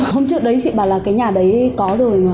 hôm trước đấy chị bảo là cái nhà đấy có rồi